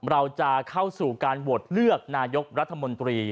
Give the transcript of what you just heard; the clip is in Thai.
เราจะเข้าสู่การโหวตเลือกนายกรัฐมนตรี